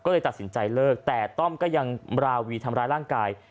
ก็เลยตัดสินใจเลิกแต่ต้อมก็ยังราวีทำร้ายร่างกาย